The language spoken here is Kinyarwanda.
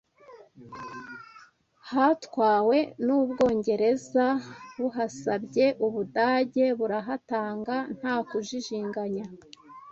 hatwawe n’u Bwongereza buhasabye u Budage burahatanga ntakujijinganya.